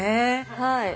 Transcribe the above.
はい。